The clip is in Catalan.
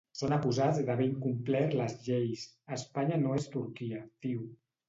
Són acusats d’haver incomplert les lleis, Espanya no és Turquia, diu.